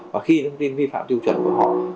và khi thông tin vi phạm tiêu chuẩn của họ